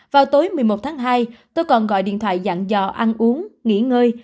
vào tối một mươi một tháng hai tôi còn gọi điện thoại dặn dò ăn uống nghỉ ngơi